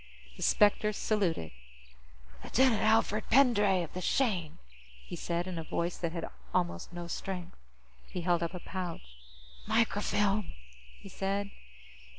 The specter saluted. "Lieutenant Alfred Pendray, of the Shane," he said, in a voice that had almost no strength. He held up a pouch. "Microfilm," he said.